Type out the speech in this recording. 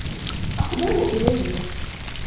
أحضره إلي.